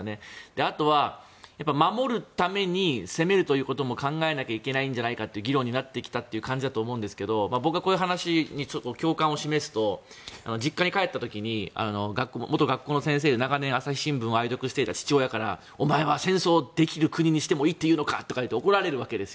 あとは守るために攻めるということも考えないといけないんじゃないかという状況になってきたという感じだと思うんですけど僕はこういう話に共感を示すと実家に帰った時に元学校の先生で長年朝日新聞を愛読していた父親からお前は戦争できる国にしてもいいと思っているのかと怒られるわけですよ。